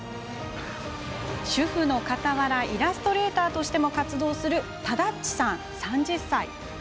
主婦のかたわらイラストレーターとしても活動する、ただっちさん、３０歳。